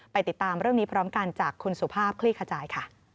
ติดตามเรื่องนี้พร้อมกันจากคุณสุภาพคลี่ขจายค่ะ